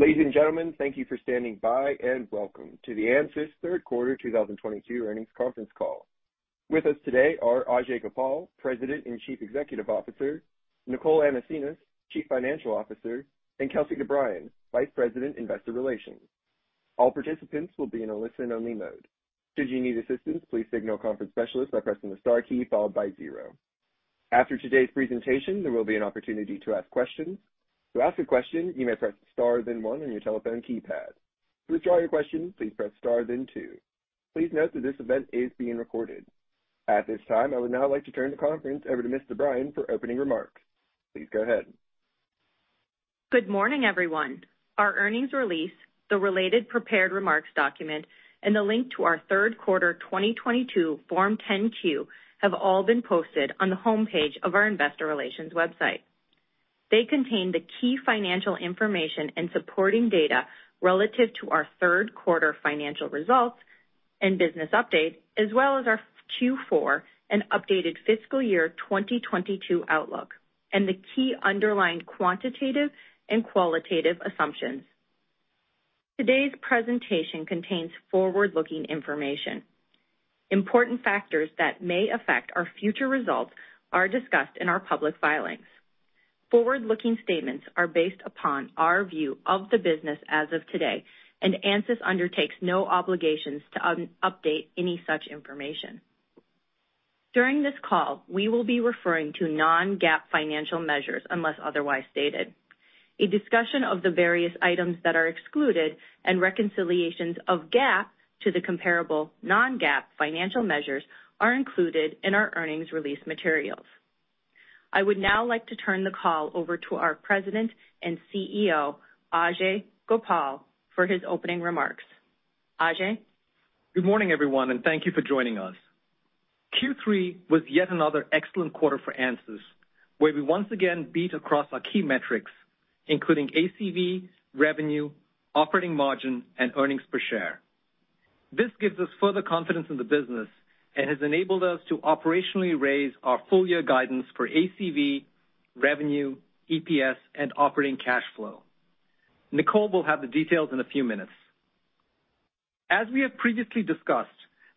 Ladies and gentlemen, thank you for standing by, and welcome to the Ansys Third Quarter 2022 earnings conference call. With us today are Ajei Gopal, President and Chief Executive Officer, Nicole Anasenes, Chief Financial Officer, and Kelsey DeBriyn, Vice President, Investor Relations. All participants will be in a listen-only mode. Should you need assistance, please signal conference specialist by pressing the star key followed by zero. After today's presentation, there will be an opportunity to ask questions. To ask a question, you may press star then one on your telephone keypad. To withdraw your question, please press star then two. Please note that this event is being recorded. At this time, I would now like to turn the conference over to Miss DeBriyn for opening remarks. Please go ahead. Good morning, everyone. Our earnings release, the related prepared remarks document, and the link to our third quarter 2022 Form 10-Q have all been posted on the homepage of our investor relations website. They contain the key financial information and supporting data relative to our third quarter financial results and business update, as well as our Q4 and updated fiscal year 2022 outlook, and the key underlying quantitative and qualitative assumptions. Today's presentation contains forward-looking information. Important factors that may affect our future results are discussed in our public filings. Forward-looking statements are based upon our view of the business as of today, and Ansys undertakes no obligations to update any such information. During this call, we will be referring to non-GAAP financial measures, unless otherwise stated. A discussion of the various items that are excluded and reconciliations of GAAP to the comparable non-GAAP financial measures are included in our earnings release materials. I would now like to turn the call over to our President and CEO, Ajei Gopal, for his opening remarks. Ajei. Good morning, everyone, and thank you for joining us. Q3 was yet another excellent quarter for Ansys, where we once again beat across our key metrics, including ACV, revenue, operating margin, and earnings per share. This gives us further confidence in the business and has enabled us to operationally raise our full year guidance for ACV, revenue, EPS, and operating cash flow. Nicole will have the details in a few minutes. As we have previously discussed,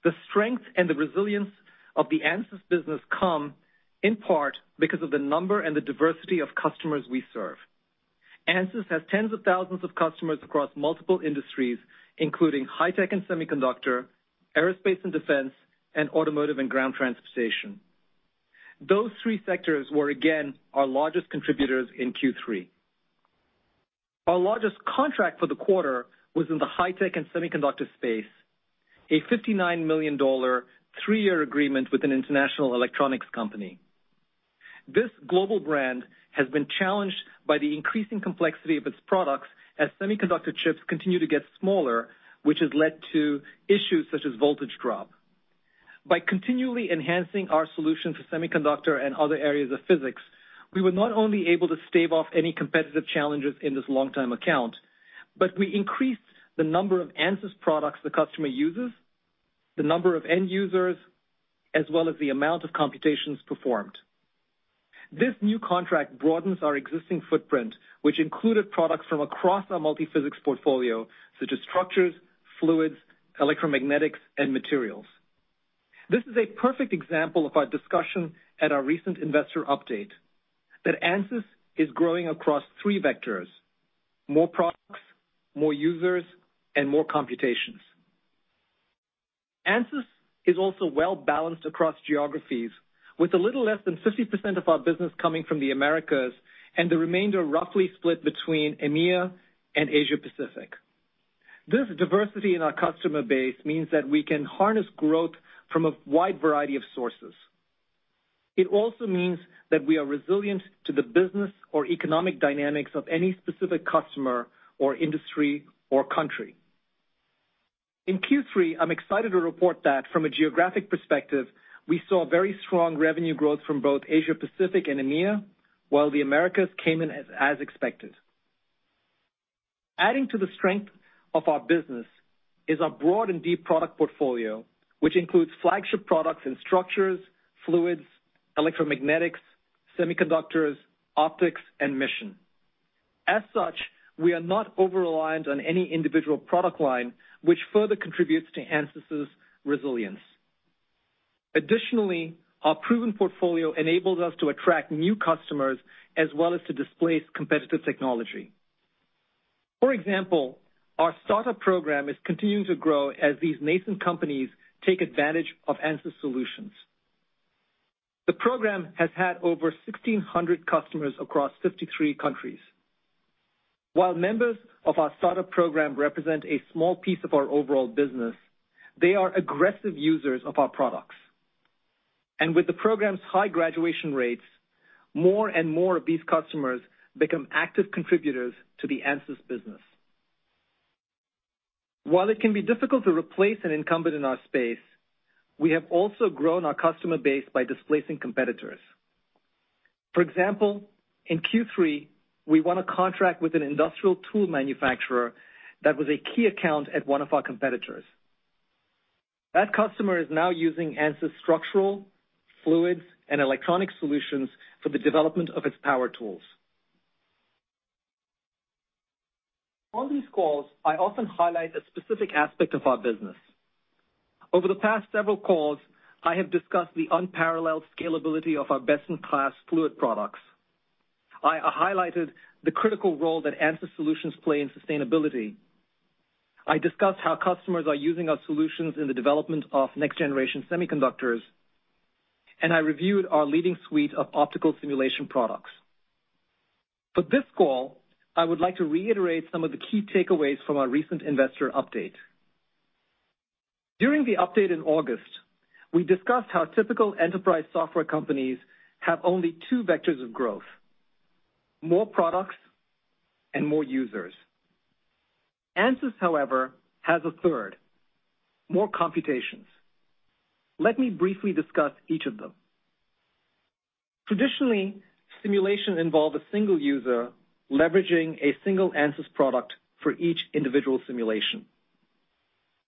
the strength and the resilience of the Ansys business come in part because of the number and the diversity of customers we serve. Ansys has tens of thousands of customers across multiple industries, including high tech and semiconductor, aerospace and defense, and automotive and ground transportation. Those three sectors were again our largest contributors in Q3. Our largest contract for the quarter was in the high tech and semiconductor space, a $59 million three-year agreement with an international electronics company. This global brand has been challenged by the increasing complexity of its products as semiconductor chips continue to get smaller, which has led to issues such as voltage drop. By continually enhancing our solution to semiconductor and other areas of physics, we were not only able to stave off any competitive challenges in this long-time account, but we increased the number of Ansys products the customer uses, the number of end users, as well as the amount of computations performed. This new contract broadens our existing footprint, which included products from across our multiphysics portfolio, such as structures, fluids, electromagnetics, and materials. This is a perfect example of our discussion at our recent investor update, that Ansys is growing across three vectors, more products, more users, and more computations. Ansys is also well-balanced across geographies, with a little less than 50% of our business coming from the Americas and the remainder roughly split between EMEA and Asia Pacific. This diversity in our customer base means that we can harness growth from a wide variety of sources. It also means that we are resilient to the business or economic dynamics of any specific customer or industry or country. In Q3, I'm excited to report that from a geographic perspective, we saw very strong revenue growth from both Asia Pacific and EMEA, while the Americas came in as expected. Adding to the strength of our business is our broad and deep product portfolio, which includes flagship products in structures, fluids, electromagnetics, semiconductors, optics, and mission. As such, we are not over-reliant on any individual product line, which further contributes to Ansys's resilience. Additionally, our proven portfolio enables us to attract new customers as well as to displace competitive technology. For example, our startup program is continuing to grow as these nascent companies take advantage of Ansys solutions. The program has had over 1,600 customers across 53 countries. While members of our startup program represent a small piece of our overall business, they are aggressive users of our products. With the program's high graduation rates, more and more of these customers become active contributors to the Ansys business. While it can be difficult to replace an incumbent in our space, we have also grown our customer base by displacing competitors. For example, in Q3, we won a contract with an industrial tool manufacturer that was a key account at one of our competitors. That customer is now using Ansys structural, fluids, and electronic solutions for the development of its power tools. On these calls, I often highlight a specific aspect of our business. Over the past several calls, I have discussed the unparalleled scalability of our best-in-class fluid products. I highlighted the critical role that Ansys solutions play in sustainability. I discussed how customers are using our solutions in the development of next-generation semiconductors, and I reviewed our leading suite of optical simulation products. For this call, I would like to reiterate some of the key takeaways from our recent investor update. During the update in August, we discussed how typical enterprise software companies have only two vectors of growth, more products and more users. Ansys, however, has a third, more computations. Let me briefly discuss each of them. Traditionally, simulation involved a single user leveraging a single Ansys product for each individual simulation.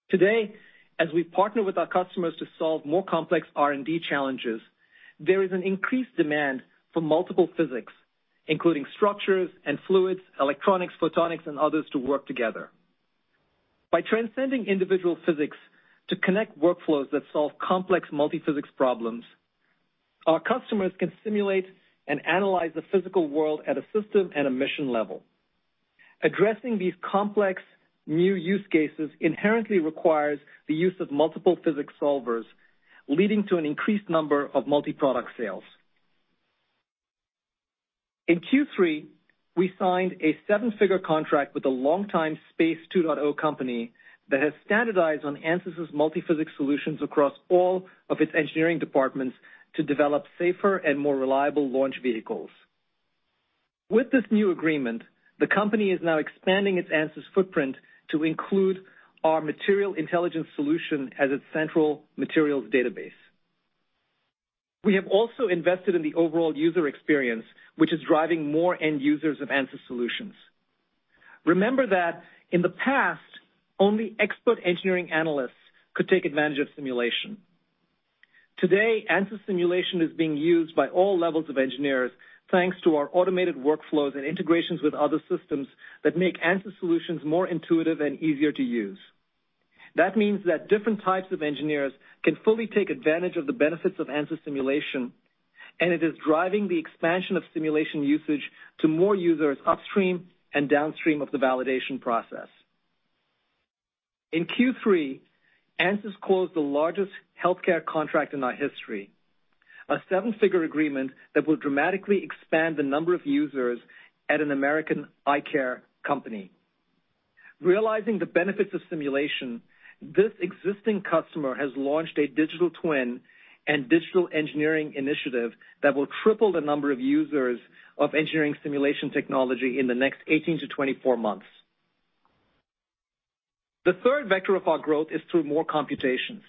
Today, as we partner with our customers to solve more complex R&D challenges, there is an increased demand for multiple physics, including structures and fluids, electronics, photonics, and others to work together. By transcending individual physics to connect workflows that solve complex multi-physics problems, our customers can simulate and analyze the physical world at a system and a mission level. Addressing these complex new use cases inherently requires the use of multiple physics solvers, leading to an increased number of multi-product sales. In Q3, we signed a seven-figure contract with a longtime Space 2.0 company that has standardized on Ansys's multi-physics solutions across all of its engineering departments to develop safer and more reliable launch vehicles. With this new agreement, the company is now expanding its Ansys footprint to include our material intelligence solution as its central materials database. We have also invested in the overall user experience, which is driving more end users of Ansys solutions. Remember that in the past, only expert engineering analysts could take advantage of simulation. Today, Ansys simulation is being used by all levels of engineers, thanks to our automated workflows and integrations with other systems that make Ansys solutions more intuitive and easier to use. That means that different types of engineers can fully take advantage of the benefits of Ansys simulation, and it is driving the expansion of simulation usage to more users upstream and downstream of the validation process. In Q3, Ansys closed the largest healthcare contract in our history, a seven-figure agreement that will dramatically expand the number of users at an American eye care company. Realizing the benefits of simulation, this existing customer has launched a digital twin and digital engineering initiative that will triple the number of users of engineering simulation technology in the next 18 to 24 months. The third vector of our growth is through more computations.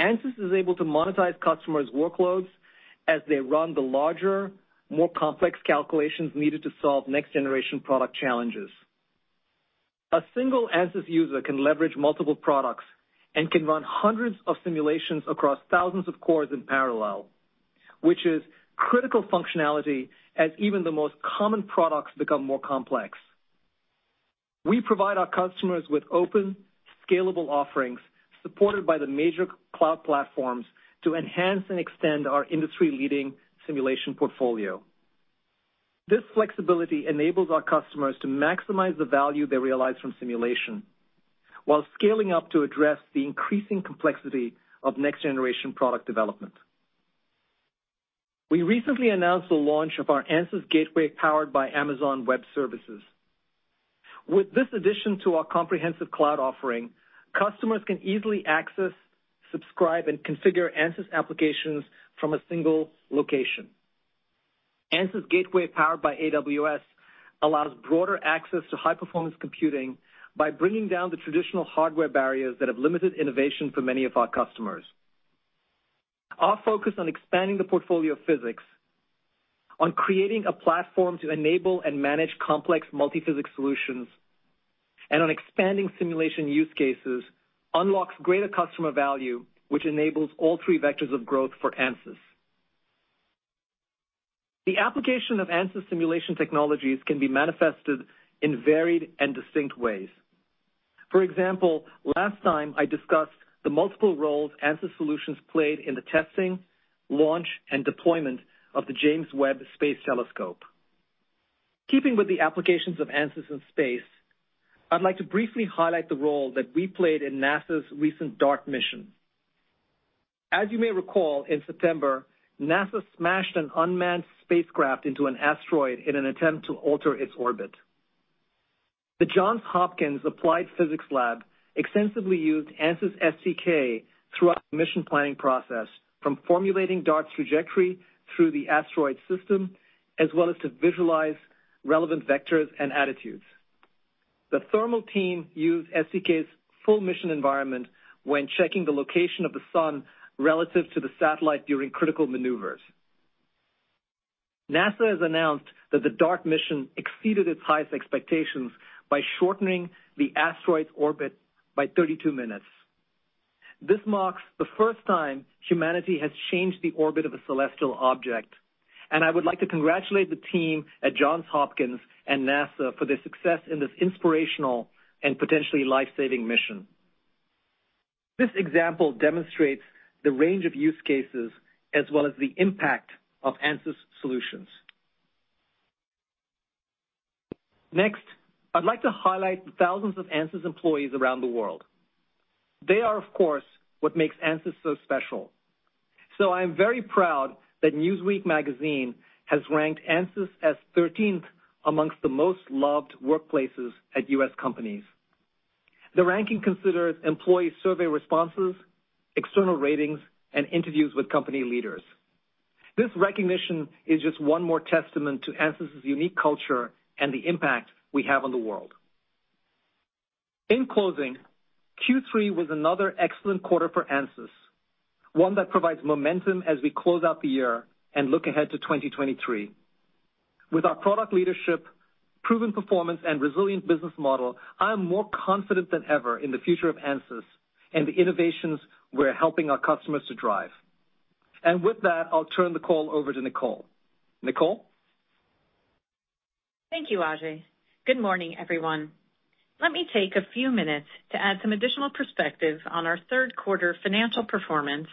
Ansys is able to monetize customers' workloads as they run the larger, more complex calculations needed to solve next-generation product challenges. A single Ansys user can leverage multiple products and can run hundreds of simulations across thousands of cores in parallel, which is critical functionality as even the most common products become more complex. We provide our customers with open, scalable offerings supported by the major cloud platforms to enhance and extend our industry-leading simulation portfolio. This flexibility enables our customers to maximize the value they realize from simulation while scaling up to address the increasing complexity of next-generation product development. We recently announced the launch of our Ansys Gateway powered by Amazon Web Services. With this addition to our comprehensive cloud offering, customers can easily access, subscribe, and configure Ansys applications from a single location. Ansys Gateway powered by AWS allows broader access to high-performance computing by bringing down the traditional hardware barriers that have limited innovation for many of our customers. Our focus on expanding the portfolio of physics, on creating a platform to enable and manage complex multi-physics solutions, and on expanding simulation use cases unlocks greater customer value, which enables all three vectors of growth for Ansys. The application of Ansys simulation technologies can be manifested in varied and distinct ways. For example, last time I discussed the multiple roles Ansys solutions played in the testing, launch, and deployment of the James Webb Space Telescope. Keeping with the applications of Ansys in space, I'd like to briefly highlight the role that we played in NASA's recent DART mission. As you may recall, in September, NASA smashed an unmanned spacecraft into an asteroid in an attempt to alter its orbit. The Johns Hopkins Applied Physics Laboratory extensively used Ansys STK throughout the mission planning process from formulating DART's trajectory through the asteroid system, as well as to visualize relevant vectors and attitudes. The thermal team used STK's full mission environment when checking the location of the sun relative to the satellite during critical maneuvers. NASA has announced that the DART mission exceeded its highest expectations by shortening the asteroid's orbit by 32 minutes. This marks the first time humanity has changed the orbit of a celestial object, and I would like to congratulate the team at Johns Hopkins and NASA for their success in this inspirational and potentially life-saving mission. This example demonstrates the range of use cases as well as the impact of Ansys solutions. Next, I'd like to highlight the thousands of Ansys employees around the world. They are, of course, what makes Ansys so special. I am very proud that Newsweek magazine has ranked Ansys as thirteenth among the most loved workplaces at U.S. companies. The ranking considers employee survey responses, external ratings, and interviews with company leaders. This recognition is just one more testament to Ansys's unique culture and the impact we have on the world. In closing, Q3 was another excellent quarter for Ansys, one that provides momentum as we close out the year and look ahead to 2023. With our product leadership, proven performance, and resilient business model, I am more confident than ever in the future of Ansys and the innovations we're helping our customers to drive. With that, I'll turn the call over to Nicole. Nicole? Thank you, Ajei. Good morning, everyone. Let me take a few minutes to add some additional perspective on our third quarter financial performance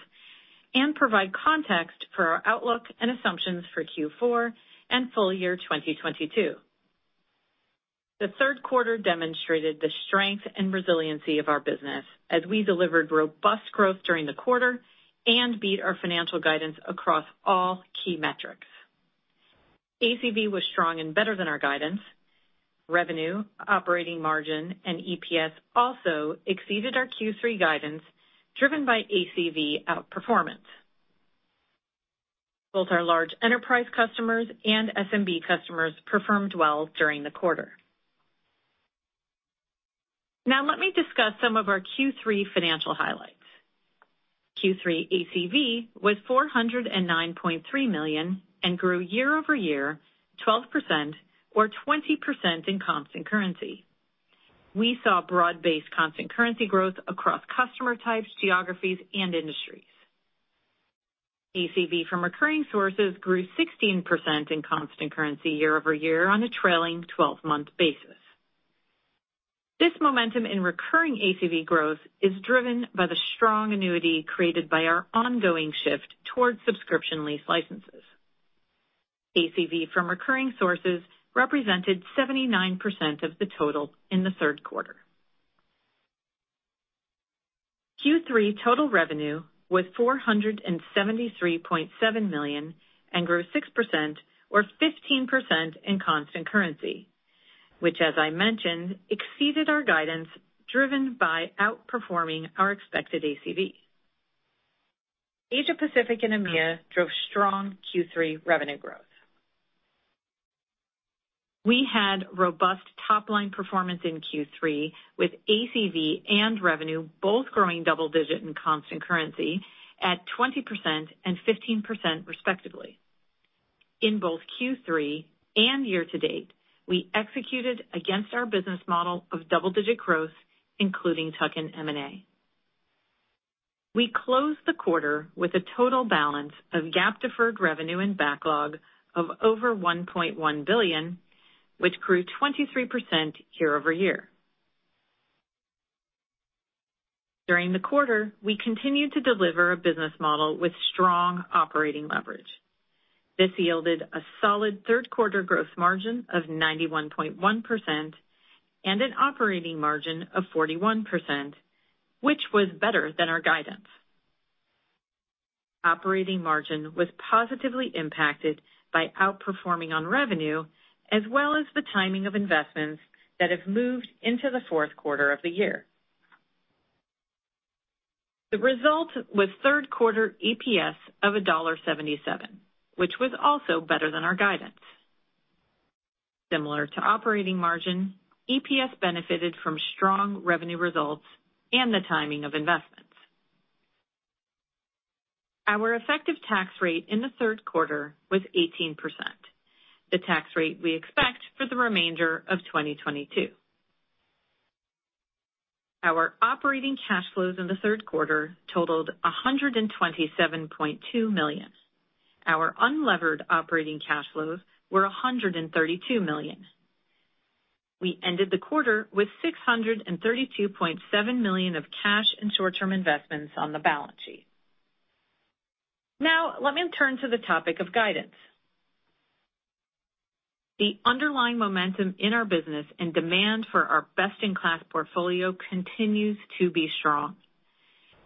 and provide context for our outlook and assumptions for Q4 and full year 2022. The third quarter demonstrated the strength and resiliency of our business as we delivered robust growth during the quarter and beat our financial guidance across all key metrics. ACV was strong and better than our guidance. Revenue, operating margin, and EPS also exceeded our Q3 guidance, driven by ACV outperformance. Both our large enterprise customers and SMB customers performed well during the quarter. Now, let me discuss some of our Q3 financial highlights. Q3 ACV was $409.3 million and grew year-over-year 12% or 20% in constant currency. We saw broad-based constant currency growth across customer types, geographies, and industries. ACV from recurring sources grew 16% in constant currency year-over-year on a trailing-twelve-month basis. This momentum in recurring ACV growth is driven by the strong annuity created by our ongoing shift towards subscription lease licenses. ACV from recurring sources represented 79% of the total in the third quarter. Q3 total revenue was $473.7 million and grew 6% or 15% in constant currency, which, as I mentioned, exceeded our guidance driven by outperforming our expected ACV. Asia-Pacific and EMEA drove strong Q3 revenue growth. We had robust top-line performance in Q3, with ACV and revenue both growing double-digit in constant currency at 20% and 15%, respectively. In both Q3 and year to date, we executed against our business model of double-digit growth, including tuck-in M&A. We closed the quarter with a total balance of GAAP deferred revenue and backlog of over $1.1 billion, which grew 23% year-over-year. During the quarter, we continued to deliver a business model with strong operating leverage. This yielded a solid third quarter gross margin of 91.1% and an operating margin of 41%, which was better than our guidance. Operating margin was positively impacted by outperforming on revenue, as well as the timing of investments that have moved into the fourth quarter of the year. The result was third quarter EPS of $1.77, which was also better than our guidance. Similar to operating margin, EPS benefited from strong revenue results and the timing of investments. Our effective tax rate in the third quarter was 18%, the tax rate we expect for the remainder of 2022. Our operating cash flows in the third quarter totaled $127.2 million. Our unlevered operating cash flows were $132 million. We ended the quarter with $632.7 million of cash and short-term investments on the balance sheet. Now, let me turn to the topic of guidance. The underlying momentum in our business and demand for our best-in-class portfolio continues to be strong.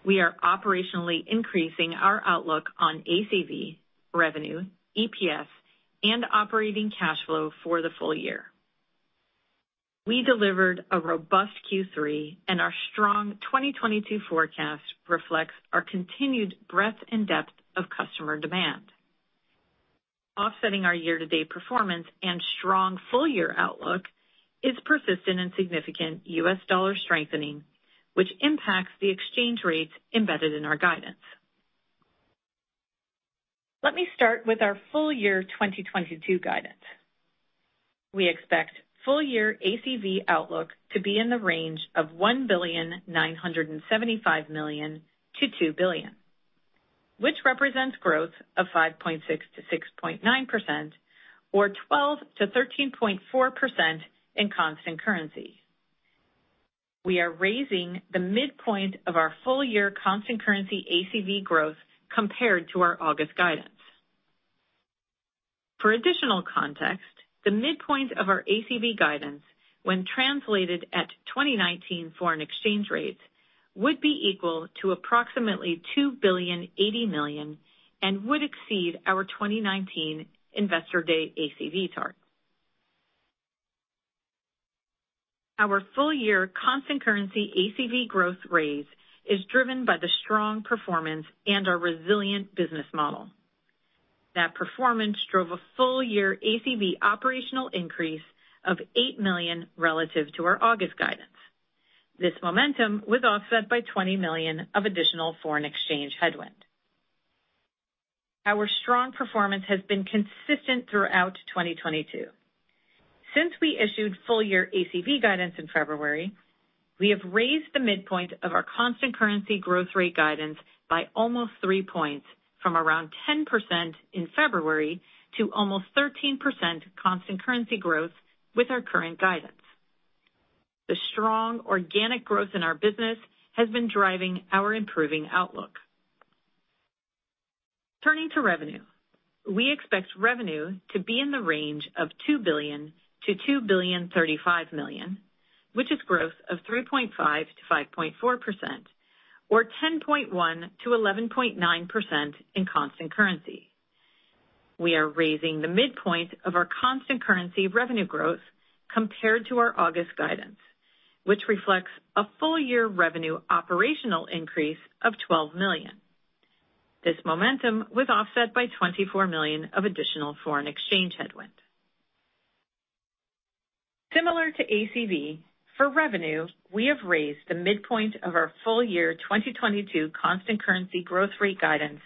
We are operationally increasing our outlook on ACV revenue, EPS, and operating cash flow for the full year. We delivered a robust Q3, and our strong 2022 forecast reflects our continued breadth and depth of customer demand. Offsetting our year-to-date performance and strong full-year outlook is persistent and significant U.S. dollar strengthening, which impacts the exchange rates embedded in our guidance. Let me start with our full year 2022 guidance. We expect full year ACV outlook to be in the range of $1.975 billion to $2 billion, which represents growth of 5.6% to 6.9% or 12% to 13.4% in constant currency. We are raising the midpoint of our full-year constant currency ACV growth compared to our August guidance. For additional context, the midpoint of our ACV guidance when translated at 2019 foreign exchange rates would be equal to approximately $2.08 billion and would exceed our 2019 investor day ACV target. Our full-year constant currency ACV growth rate is driven by the strong performance and our resilient business model. That performance drove a full year ACV operational increase of $8 million relative to our August guidance. This momentum was offset by $20 million of additional foreign exchange headwind. Our strong performance has been consistent throughout 2022. Since we issued full year ACV guidance in February, we have raised the midpoint of our constant currency growth rate guidance by almost three points from around 10% in February to almost 13% constant currency growth with our current guidance. The strong organic growth in our business has been driving our improving outlook. Turning to revenue. We expect revenue to be in the range of $2 billion to $2.035 billion, which is growth of 3.5% to 5.4% or 10.1% to 11.9% in constant currency. We are raising the midpoint of our constant currency revenue growth compared to our August guidance, which reflects a full-year revenue operational increase of $12 million. This momentum was offset by $24 million of additional foreign exchange headwind. Similar to ACV, for revenue, we have raised the midpoint of our full-year 2022 constant currency growth rate guidance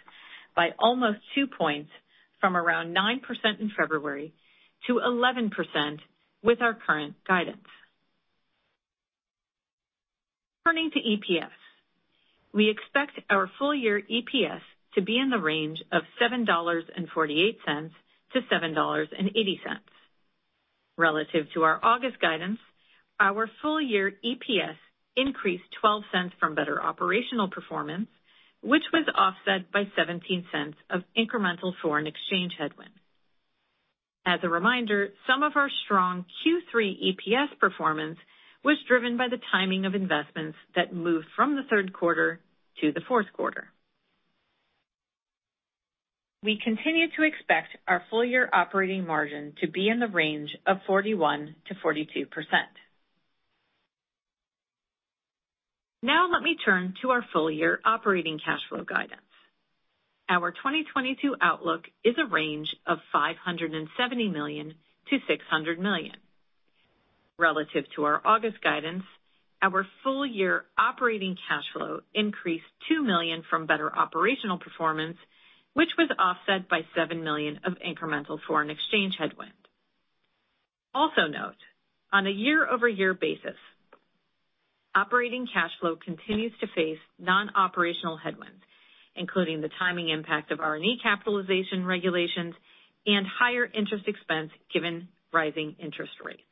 by almost 2 points from around 9% in February to 11% with our current guidance. Turning to EPS. We expect our full-year EPS to be in the range of $7.48 to $7.80. Relative to our August guidance, our full-year EPS increased $0.12 from better operational performance, which was offset by $0.17 of incremental foreign exchange headwind. As a reminder, some of our strong Q3 EPS performance was driven by the timing of investments that moved from the third quarter to the fourth quarter. We continue to expect our full-year operating margin to be in the range of 41% to 42%. Now let me turn to our full-year operating cash flow guidance. Our 2022 outlook is a range of $570 million to $600 million. Relative to our August guidance, our full-year operating cash flow increased $2 million from better operational performance which was offset by $7 million of incremental foreign exchange headwind. Also note, on a year-over-year basis, operating cash flow continues to face non-operational headwinds, including the timing impact of R&D capitalization regulations and higher interest expense given rising interest rates.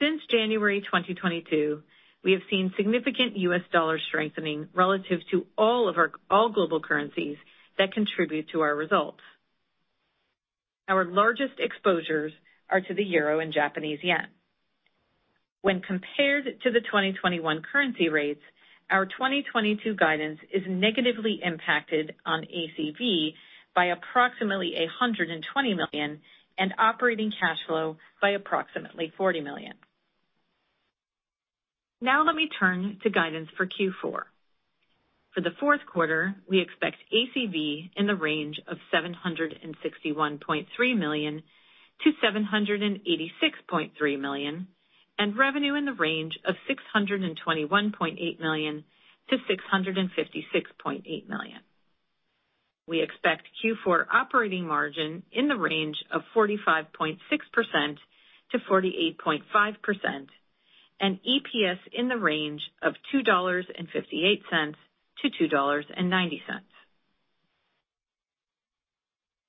Since January 2022, we have seen significant U.S. dollar strengthening relative to all of our global currencies that contribute to our results. Our largest exposures are to the euro and Japanese yen. When compared to the 2021 currency rates, our 2022 guidance is negatively impacted on ACV by approximately $120 million and operating cash flow by approximately $40 million. Now let me turn to guidance for Q4. For the fourth quarter, we expect ACV in the range of $761.3 million to $786.3 million, and revenue in the range of $621.8 million to $656.8 million. We expect Q4 operating margin in the range of 45.6% to 48.5% and EPS in the range of $2.58 to $2.90.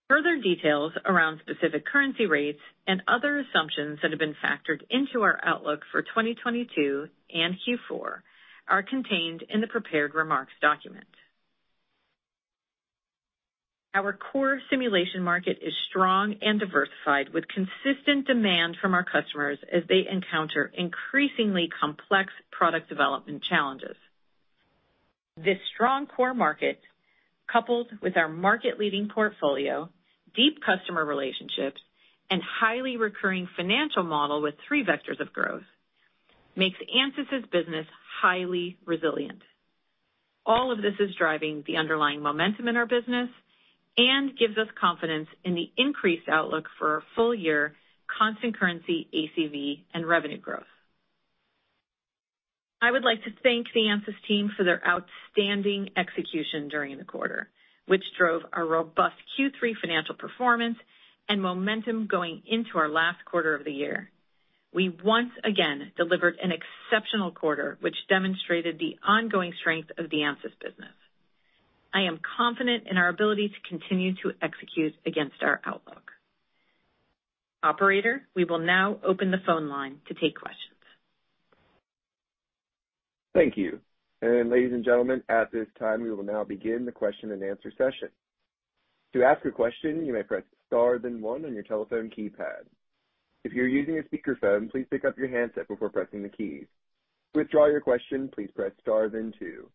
Further details around specific currency rates and other assumptions that have been factored into our outlook for 2022 and Q4 are contained in the prepared remarks document. Our core simulation market is strong and diversified, with consistent demand from our customers as they encounter increasingly complex product development challenges. This strong core market, coupled with our market-leading portfolio, deep customer relationships, and highly recurring financial model with three vectors of growth, makes Ansys's business highly resilient. All of this is driving the underlying momentum in our business and gives us confidence in the increased outlook for our full-year constant currency ACV and revenue growth. I would like to thank the Ansys team for their outstanding execution during the quarter, which drove our robust Q3 financial performance and momentum going into our last quarter of the year. We once again delivered an exceptional quarter, which demonstrated the ongoing strength of the Ansys business. I am confident in our ability to continue to execute against our outlook. Operator, we will now open the phone line to take questions. Thank you. Ladies and gentlemen, at this time, we will now begin the question-and-answer session. To ask a question, you may press star then 1 on your telephone keypad. If you're using a speakerphone, please pick up your handset before pressing the keys. To withdraw your question, please press star then 2.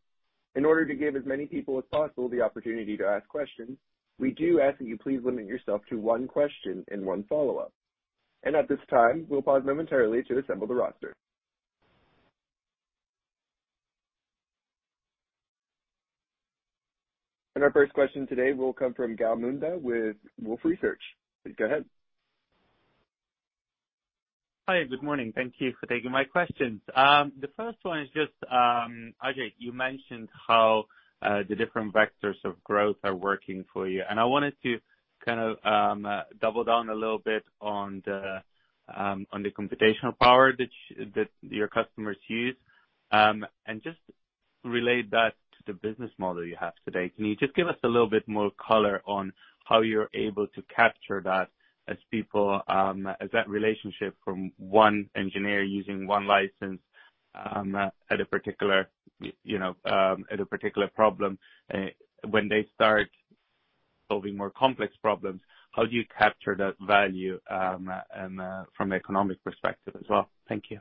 In order to give as many people as possible the opportunity to ask questions, we do ask that you please limit yourself to one question and one follow-up. At this time, we'll pause momentarily to assemble the roster. Our first question today will come from Gal Munda with Wolfe Research. Go ahead. Hi, good morning. Thank you for taking my questions. The first one is just, Ajei, you mentioned how the different vectors of growth are working for you, and I wanted to kind of double down a little bit on the computational power that your customers use, and just relate that to the business model you have today. Can you just give us a little bit more color on how you're able to capture that as people as that relationship from one engineer using one license at a particular you know at a particular problem when they start solving more complex problems, how do you capture that value and from an economic perspective as well? Thank you.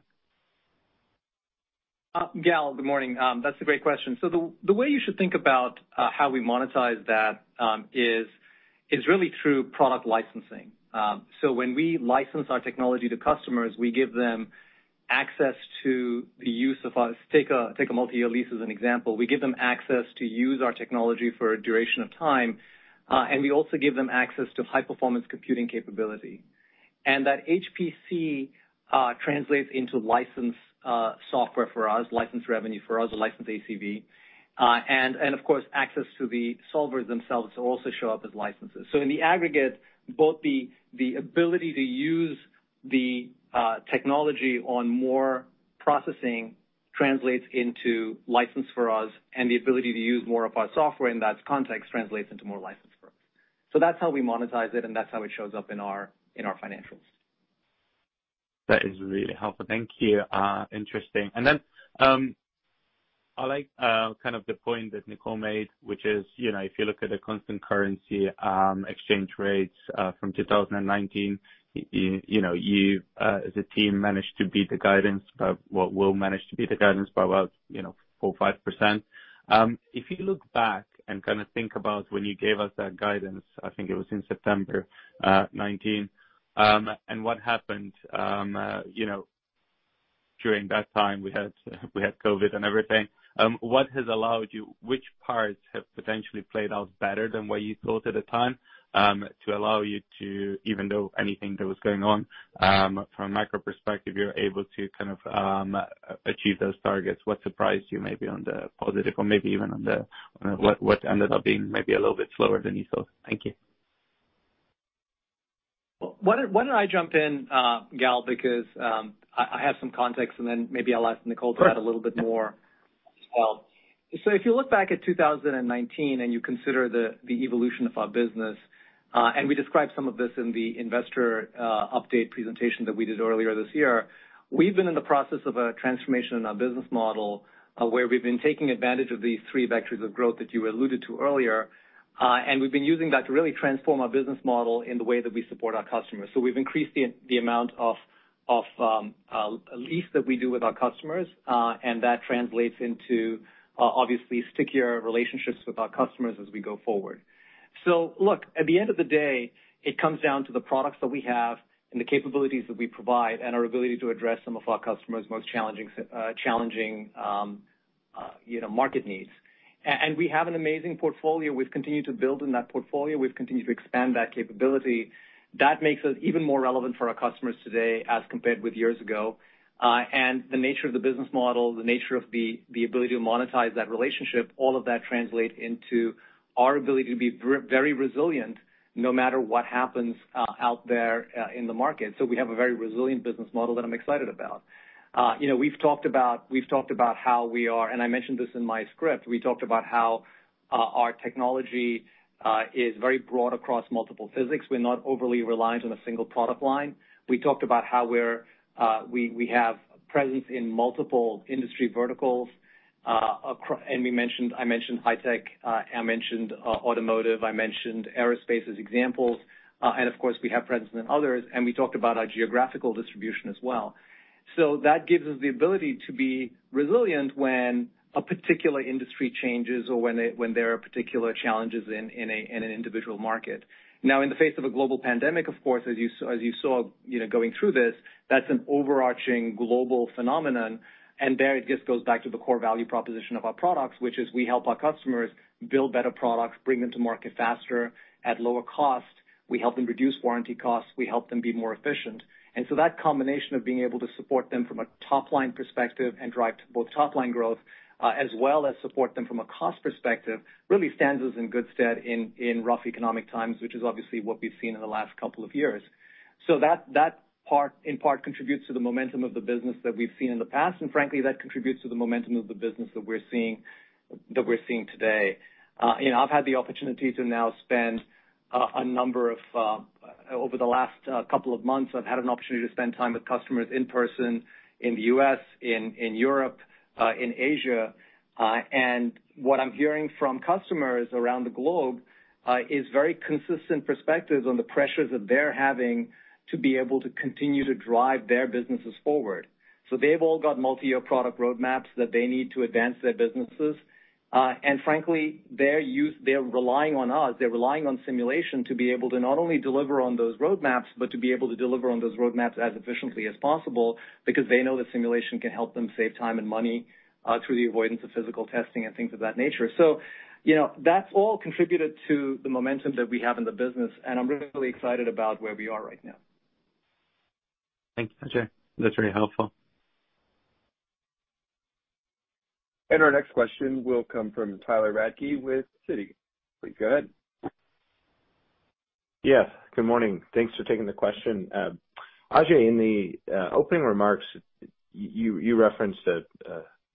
Gal, good morning. That's a great question. The way you should think about how we monetize that is really through product licensing. When we license our technology to customers, we give them access to the use of our technology. Take a multi-year lease as an example. We give them access to use our technology for a duration of time, and we also give them access to high-performance computing capability. That HPC translates into licensed software for us, licensed revenue for us, licensed ACV, and of course, access to the solvers themselves also show up as licenses. In the aggregate, both the ability to use the technology on more processing translates into license for us, and the ability to use more of our software in that context translates into more license for us. That's how we monetize it, and that's how it shows up in our financials. That is really helpful. Thank you. Interesting. I like kind of the point that Nicole made, which is, you know, if you look at the constant currency exchange rates from 2019, you know, you as a team will manage to beat the guidance by about, you know, 4%-5%. If you look back and kinda think about when you gave us that guidance, I think it was in September 2019, and what happened, you know, during that time, we had COVID and everything. Which parts have potentially played out better than what you thought at the time, to allow you to, even though anything that was going on, from a macro perspective, you're able to kind of achieve those targets. What surprised you maybe on the positive or maybe even on what ended up being maybe a little bit slower than you thought? Thank you. Why don't I jump in, Gal, because I have some context, and then maybe I'll ask Nicole to add a little bit more help. If you look back at 2019 and you consider the evolution of our business, and we described some of this in the investor update presentation that we did earlier this year, we've been in the process of a transformation in our business model, where we've been taking advantage of these three vectors of growth that you alluded to earlier, and we've been using that to really transform our business model in the way that we support our customers. We've increased the amount of lease that we do with our customers, and that translates into obviously stickier relationships with our customers as we go forward. Look, at the end of the day, it comes down to the products that we have and the capabilities that we provide and our ability to address some of our customers' most challenging, you know, market needs. We have an amazing portfolio. We've continued to build in that portfolio. We've continued to expand that capability. That makes us even more relevant for our customers today as compared with years ago. The nature of the business model, the nature of the ability to monetize that relationship, all of that translate into our ability to be very resilient no matter what happens out there in the market. We have a very resilient business model that I'm excited about. You know, we've talked about how we are, and I mentioned this in my script. We talked about how our technology is very broad across multiple physics. We're not overly reliant on a single product line. We talked about how we have presence in multiple industry verticals. We mentioned, I mentioned high tech, I mentioned automotive, I mentioned aerospace as examples. Of course, we have presence in others. We talked about our geographical distribution as well. That gives us the ability to be resilient when a particular industry changes or when there are particular challenges in an individual market. Now, in the face of a global pandemic, of course, as you saw, you know, going through this, that's an overarching global phenomenon. There it just goes back to the core value proposition of our products, which is we help our customers build better products, bring them to market faster at lower cost. We help them reduce warranty costs. We help them be more efficient. That combination of being able to support them from a top-line perspective and drive both top-line growth, as well as support them from a cost perspective, really stands us in good stead in rough economic times, which is obviously what we've seen in the last couple of years. That part, in part, contributes to the momentum of the business that we've seen in the past, and frankly, that contributes to the momentum of the business that we're seeing today. You know, I've had an opportunity to spend time with customers in person in the U.S., in Europe, in Asia. What I'm hearing from customers around the globe is very consistent perspectives on the pressures that they're having to be able to continue to drive their businesses forward. They've all got multi-year product roadmaps that they need to advance their businesses. Frankly, they're relying on us, they're relying on simulation to be able to not only deliver on those roadmaps, but to be able to deliver on those roadmaps as efficiently as possible because they know that simulation can help them save time and money through the avoidance of physical testing and things of that nature. you know, that's all contributed to the momentum that we have in the business, and I'm really excited about where we are right now. Thanks, Ajei. That's very helpful. Our next question will come from Tyler Radke with Citi. Please go ahead. Yes, good morning. Thanks for taking the question. Ajei, in the opening remarks, you referenced a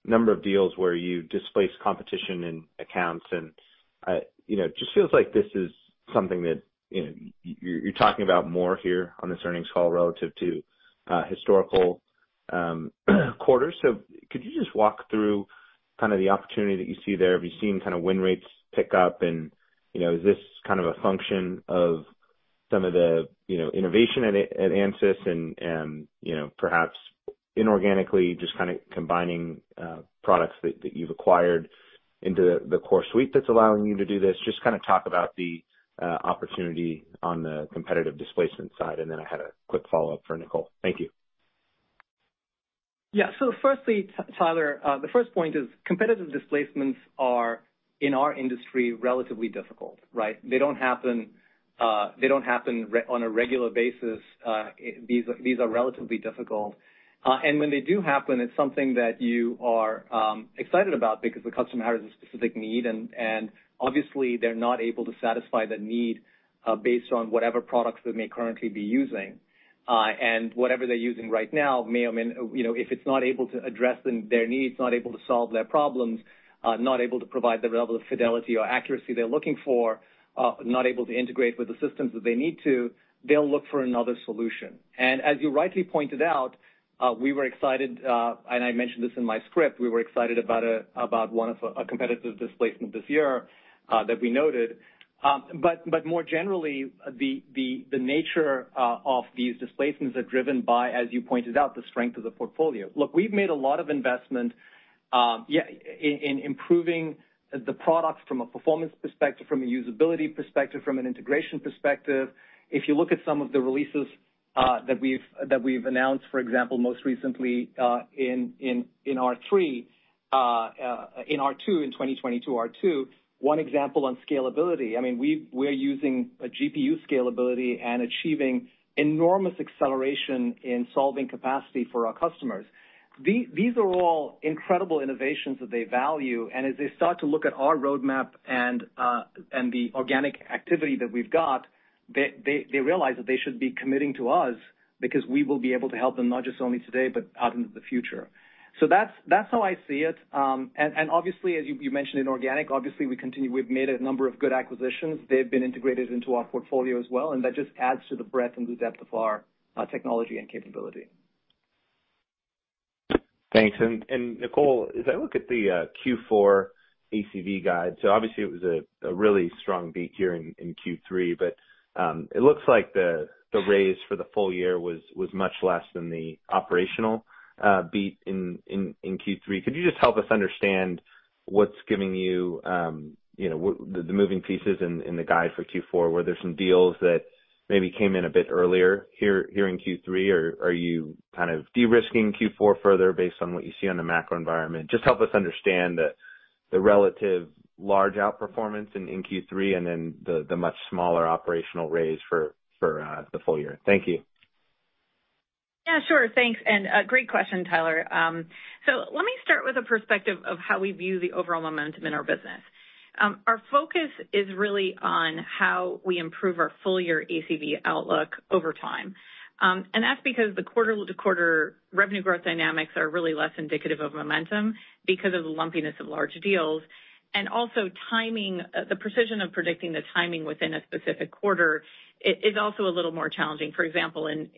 number of deals where you displaced competition in accounts, and you know, it just feels like this is something that you know, you're talking about more here on this earnings call relative to historical quarters. Could you just walk through kind of the opportunity that you see there? Have you seen kind of win rates pick up? And you know, is this kind of a function of some of the you know, innovation at Ansys and you know, perhaps inorganically just kind of combining products that you've acquired into the core suite that's allowing you to do this? Just kind of talk about the opportunity on the competitive displacement side. And then I had a quick follow-up for Nicole. Thank you. Yeah. Firstly, Tyler, the first point is competitive displacements are, in our industry, relatively difficult, right? They don't happen on a regular basis. These are relatively difficult. When they do happen, it's something that you are excited about because the customer has a specific need and obviously they're not able to satisfy that need based on whatever products they may currently be using. Whatever they're using right now may, I mean, you know, if it's not able to address their needs, not able to solve their problems, not able to provide the level of fidelity or accuracy they're looking for, not able to integrate with the systems that they need to, they'll look for another solution. As you rightly pointed out, we were excited, and I mentioned this in my script, we were excited about one of a competitive displacement this year that we noted. But more generally, the nature of these displacements are driven by, as you pointed out, the strength of the portfolio. Look, we've made a lot of investment in improving the products from a performance perspective, from a usability perspective, from an integration perspective. If you look at some of the releases that we've announced, for example, most recently in 2022 R2, one example on scalability, I mean, we're using a GPU scalability and achieving enormous acceleration in solving capacity for our customers. These are all incredible innovations that they value. As they start to look at our roadmap and the organic activity that we've got, they realize that they should be committing to us because we will be able to help them not just only today, but out into the future. That's how I see it. Obviously, as you mentioned inorganic, obviously, we continue. We've made a number of good acquisitions. They've been integrated into our portfolio as well, and that just adds to the breadth and the depth of our technology and capability. Thanks. Nicole, as I look at the Q4 ACV guide, so obviously it was a really strong beat here in Q3, but it looks like the raise for the full year was much less than the operational beat in Q3. Could you just help us understand what's giving you you know what the moving pieces in the guide for Q4? Were there some deals that maybe came in a bit earlier here in Q3, or are you kind of de-risking Q4 further based on what you see on the macro environment? Just help us understand the relative large outperformance in Q3 and then the much smaller operational raise for the full year. Thank you. Yeah, sure. Thanks. Great question, Tyler. Let me start with a perspective of how we view the overall momentum in our business. Our focus is really on how we improve our full-year ACV outlook over time. That's because the quarter-to-quarter revenue growth dynamics are really less indicative of momentum because of the lumpiness of large deals, and also timing, the precision of predicting the timing within a specific quarter is also a little more challenging. For example, in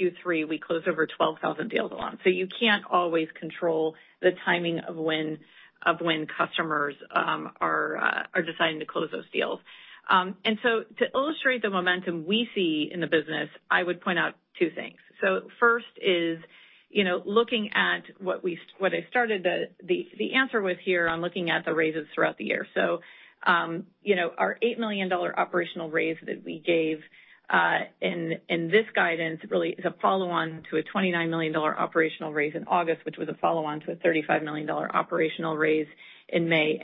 Q3, we close over 12,000 deals a month, so you can't always control the timing of when customers are deciding to close those deals. To illustrate the momentum we see in the business, I would point out two things. First is, you know, looking at what I started the answer with here on looking at the raises throughout the year. Our $8 million operational raise that we gave in this guidance really is a follow-on to a $29 million operational raise in August, which was a follow-on to a $35 million operational raise in May.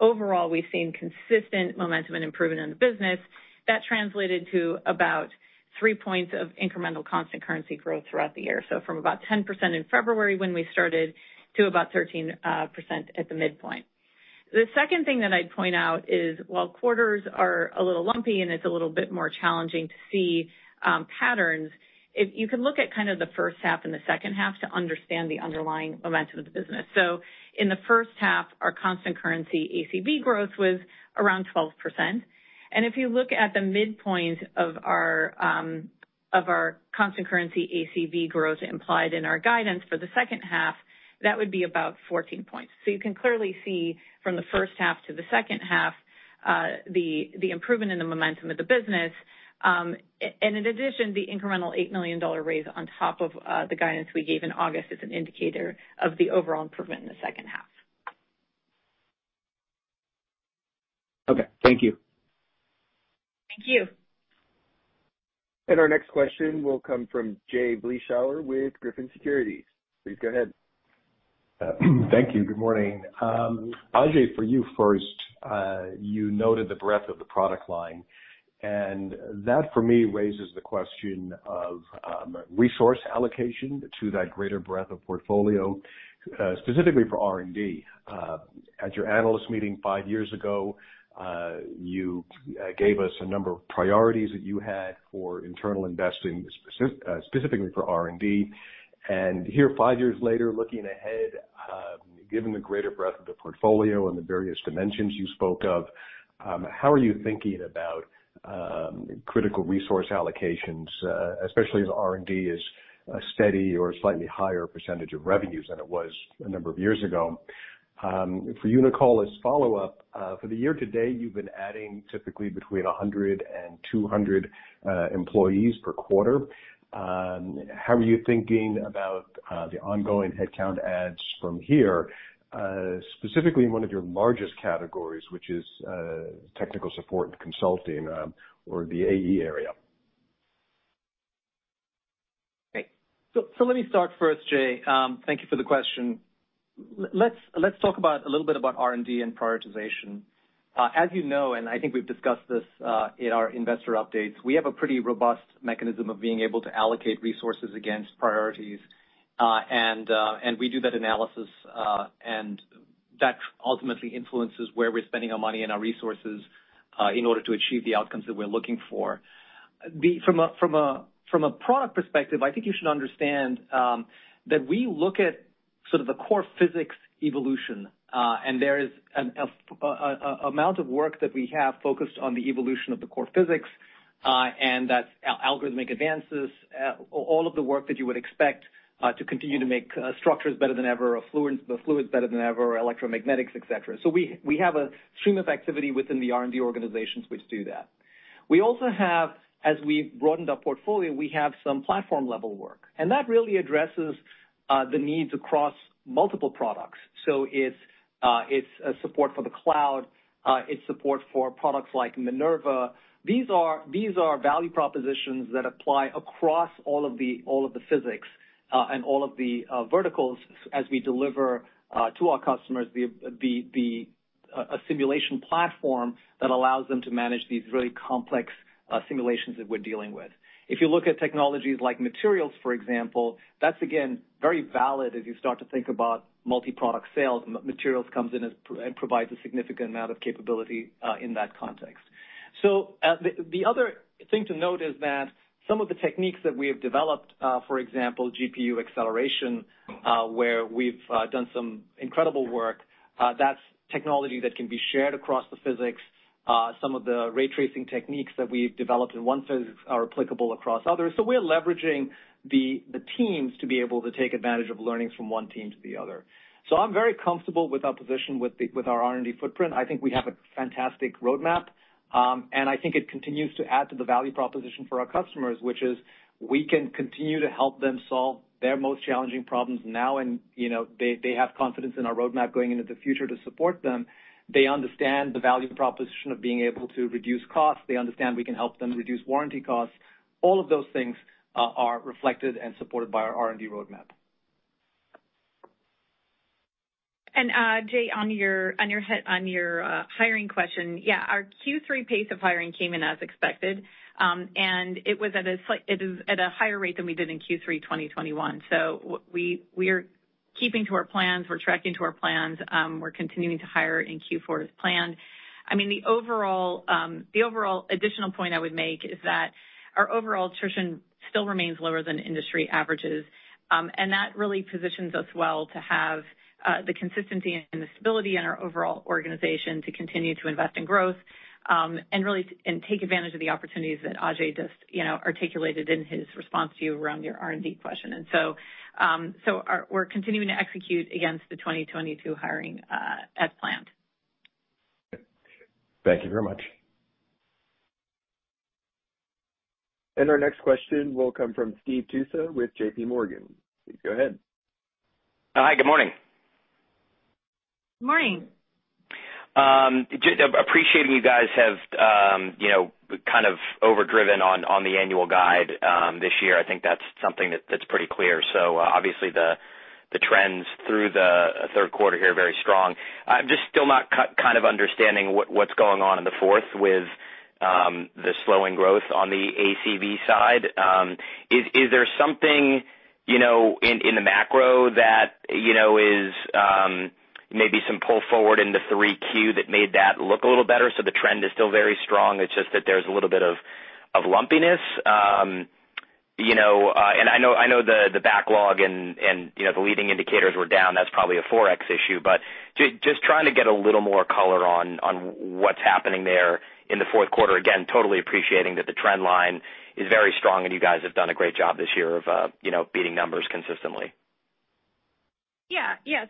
Overall, we've seen consistent momentum and improvement in the business. That translated to about 3 points of incremental constant currency growth throughout the year. From about 10% in February when we started, to about 13% at the midpoint. The second thing that I'd point out is while quarters are a little lumpy and it's a little bit more challenging to see patterns, if you can look at kind of the first half and the second half to understand the underlying momentum of the business. In the first half, our constant currency ACV growth was around 12%. If you look at the midpoint of our constant currency ACV growth implied in our guidance for the second half, that would be about 14 points. You can clearly see from the first half to the second half the improvement in the momentum of the business. In addition, the incremental $8 million raise on top of the guidance we gave in August is an indicator of the overall improvement in the second half. Okay, thank you. Thank you. Our next question will come from Jay Vleeschhouwer with Griffin Securities. Please go ahead. Thank you. Good morning. Ajei, for you first, you noted the breadth of the product line, and that, for me, raises the question of, resource allocation to that greater breadth of portfolio, specifically for R&D. At your analyst meeting five years ago, you gave us a number of priorities that you had for internal investing, specifically for R&D. Here, five years later, looking ahead, given the greater breadth of the portfolio and the various dimensions you spoke of, how are you thinking about, critical resource allocations, especially as R&D is a steady or slightly higher percentage of revenues than it was a number of years ago? For you, Nicole, as follow-up, for the year to date, you've been adding typically between 100 and 200 employees per quarter. How are you thinking about the ongoing headcount adds from here, specifically in one of your largest categories, which is technical support and consulting, or the AE area? Great. Let me start first, Jay. Thank you for the question. Let's talk about a little bit about R&D and prioritization. As you know, and I think we've discussed this in our investor updates, we have a pretty robust mechanism of being able to allocate resources against priorities, and we do that analysis, and that ultimately influences where we're spending our money and our resources, in order to achieve the outcomes that we're looking for. From a product perspective, I think you should understand that we look at sort of the core physics evolution, and there is an amount of work that we have focused on the evolution of the core physics, and that's algorithmic advances, all of the work that you would expect to continue to make structures better than ever, or Fluent the fluids better than ever, electromagnetics, et cetera. We have a stream of activity within the R&D organizations which do that. We also have, as we've broadened our portfolio, we have some platform-level work, and that really addresses the needs across multiple products. It's a support for the cloud. It's support for products like Minerva. These are value propositions that apply across all of the physics and all of the verticals as we deliver to our customers the simulation platform that allows them to manage these really complex simulations that we're dealing with. If you look at technologies like materials, for example, that's again very valid as you start to think about multi-product sales. Materials comes in and provides a significant amount of capability in that context. The other thing to note is that some of the techniques that we have developed, for example, GPU acceleration, where we've done some incredible work, that's technology that can be shared across the physics. Some of the ray tracing techniques that we've developed in one physics are applicable across others. We're leveraging the teams to be able to take advantage of learnings from one team to the other. I'm very comfortable with our position with our R&D footprint. I think we have a fantastic roadmap, and I think it continues to add to the value proposition for our customers, which is we can continue to help them solve their most challenging problems now and, you know, they have confidence in our roadmap going into the future to support them. They understand the value proposition of being able to reduce costs. They understand we can help them reduce warranty costs. All of those things are reflected and supported by our R&D roadmap. Jay, on your hiring question, yeah, our Q3 pace of hiring came in as expected. It is at a higher rate than we did in Q3 2021. We're keeping to our plans. We're tracking to our plans. We're continuing to hire in Q4 as planned. I mean, the overall additional point I would make is that our overall attrition still remains lower than industry averages. That really positions us well to have the consistency and the stability in our overall organization to continue to invest in growth, and really take advantage of the opportunities that Ajei just, you know, articulated in his response to you around your R&D question. We're continuing to execute against the 2022 hiring as planned. Thank you very much. Our next question will come from Steve Tusa with J.P. Morgan. Steve, go ahead. Hi. Good morning. Morning. Appreciating you guys have, you know, kind of overdriven on the annual guide this year. I think that's something that's pretty clear. Obviously the trends through the third quarter here are very strong. I'm just still not kind of understanding what's going on in the fourth with the slowing growth on the ACV side. Is there something, you know, in the macro that you know is maybe some pull forward in the 3Q that made that look a little better? The trend is still very strong, it's just that there's a little bit of lumpiness. You know, I know the backlog and the leading indicators were down. That's probably a Forex issue, but just trying to get a little more color on what's happening there in the fourth quarter. Again, totally appreciating that the trend line is very strong and you guys have done a great job this year of, you know, beating numbers consistently. Yeah. Yeah.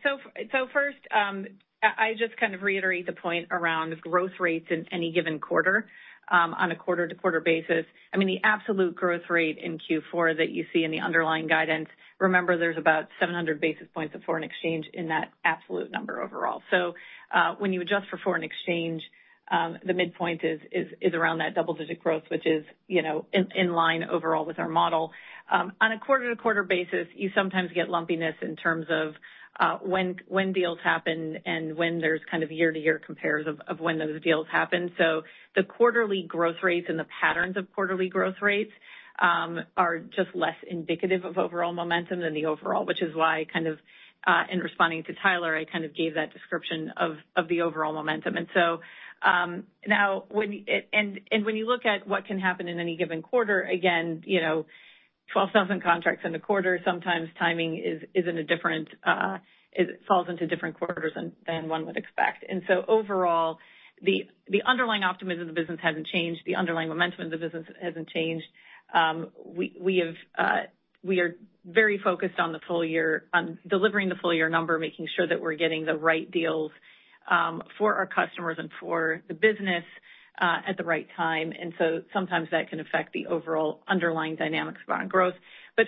First, I just kind of reiterate the point around growth rates in any given quarter, on a quarter-to-quarter basis. I mean, the absolute growth rate in Q4 that you see in the underlying guidance, remember, there's about 700 basis points of foreign exchange in that absolute number overall. When you adjust for foreign exchange, the midpoint is around that double-digit growth, which is, you know, in line overall with our model. On a quarter-to-quarter basis, you sometimes get lumpiness in terms of, when deals happen and when there's kind of year-to-year compares of, when those deals happen. The quarterly growth rates and the patterns of quarterly growth rates are just less indicative of overall momentum than the overall, which is why kind of in responding to Tyler, I kind of gave that description of the overall momentum. Now when you look at what can happen in any given quarter, again, you know, 12,000 contracts in a quarter, sometimes timing is in a different, it falls into different quarters than one would expect. Overall, the underlying optimism of the business hasn't changed. The underlying momentum of the business hasn't changed. We are very focused on the full year, on delivering the full year number, making sure that we're getting the right deals for our customers and for the business at the right time. Sometimes that can affect the overall underlying dynamics of our growth.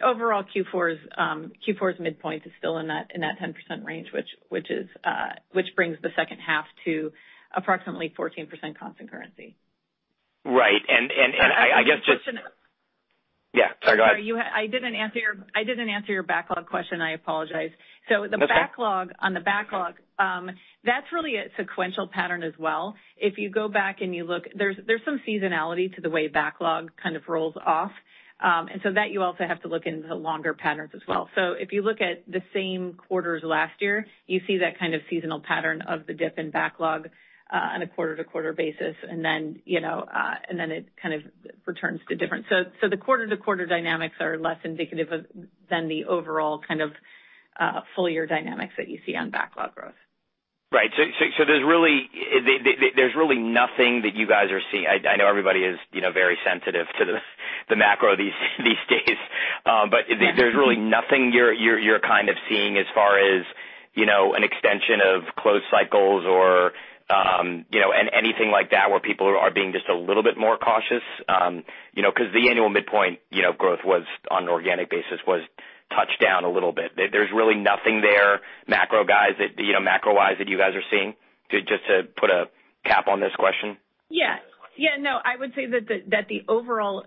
Overall, Q4's midpoint is still in that 10% range, which brings the second half to approximately 14% constant currency. Right. Yeah, sorry. Go ahead. Sorry, I didn't answer your backlog question. I apologize. That's okay. The backlog, on the backlog, that's really a sequential pattern as well. If you go back and you look, there's some seasonality to the way backlog kind of rolls off. That you also have to look into the longer patterns as well. If you look at the same quarters last year, you see that kind of seasonal pattern of the dip in backlog on a quarter-to-quarter basis, and then it kind of returns to different. The quarter-to-quarter dynamics are less indicative of than the overall kind of full year dynamics that you see on backlog growth. Right. There's really nothing that you guys are seeing. I know everybody is, you know, very sensitive to the macro these days. There's really nothing you're kind of seeing as far as, you know, an extension of sales cycles or, you know, anything like that where people are being just a little bit more cautious, you know, 'cause the annual midpoint growth was on an organic basis touched down a little bit. There's really nothing there macro-wise that you guys are seeing? Just to put a cap on this question. Yeah. Yeah, no, I would say that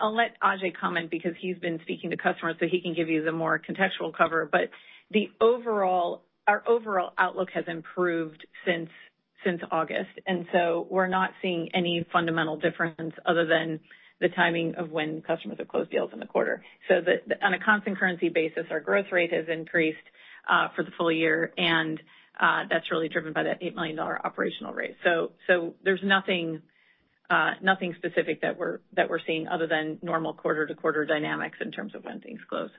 I'll let Ajei comment because he's been speaking to customers, so he can give you the more contextual cover. Our overall outlook has improved since August, and we're not seeing any fundamental difference other than the timing of when customers have closed deals in the quarter. On a constant currency basis, our growth rate has increased for the full year. That's really driven by that $8 million operational rate. There's nothing specific that we're seeing other than normal quarter-to-quarter dynamics in terms of when things close.